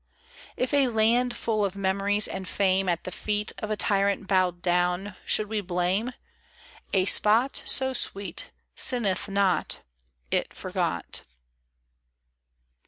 If a land full of memories and fame At the feet Of a tyrant bowed down, should we blame ? A spot So sweet Sinneth not ; It forgot.